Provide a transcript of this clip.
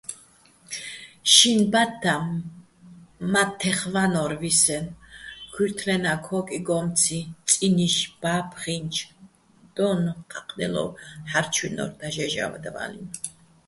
შინ ბათთა მათთეხ ვანო́რ ვისენო̆, ქუჲრთლენა ქოკიგომციჼ წინი́შ ბა́ფხინჩო დო́ნ ჴაჴნელო ჰ̦არჩვინო́რ დაჟე́ჟადვალინო̆.